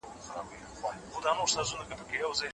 پوهانو د ټولنې ستونزې وڅېړلې.